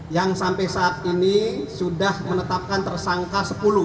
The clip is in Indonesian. yang sampai saat ini sudah menetapkan tersangka sepuluh